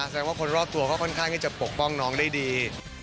แสดงว่าคนรอบตัวก็ค่อนข้างที่จะปกป้องน้องได้ดี